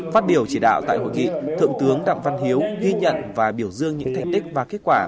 phát biểu chỉ đạo tại hội nghị thượng tướng đặng văn hiếu ghi nhận và biểu dương những thành tích và kết quả